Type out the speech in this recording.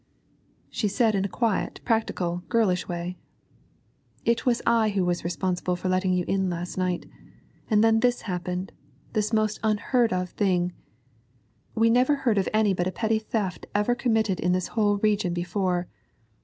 She said in a quiet, practical, girlish way, 'It was I who was responsible for letting you in last night, and then this happened this most unheard of thing. We never heard of any but a petty theft ever committed in this whole region before.